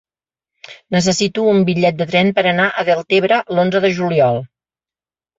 Necessito un bitllet de tren per anar a Deltebre l'onze de juliol.